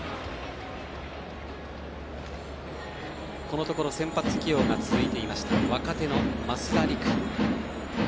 このところ先発起用が続いていました若手の増田陸。